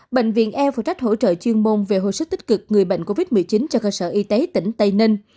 bệnh viện e phụ trách hỗ trợ chuyên môn về hồi sức tích cực người bệnh covid một mươi chín cho cơ sở y tế tỉnh tây ninh